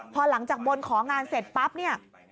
พอหลังจากบนของานเสร็จปั๊บเนี่ย